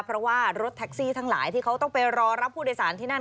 เพราะว่ารถแท็กซี่ทั้งหลายที่เขาต้องไปรอรับผู้โดยสารที่นั่น